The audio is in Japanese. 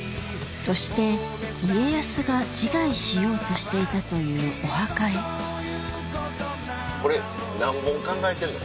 そして家康が自害しようとしていたというお墓へこれ何本考えてんの？